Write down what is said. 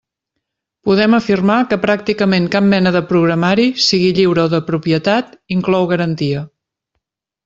Podem afirmar que pràcticament cap mena de programari, sigui lliure o de propietat, inclou garantia.